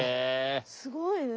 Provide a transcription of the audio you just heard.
すごいね。